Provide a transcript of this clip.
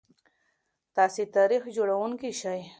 تاسي تاریخ جوړونکي شئ.